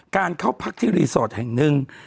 การเข้าพักที่รีสอร์ทแห่งหนึ่ง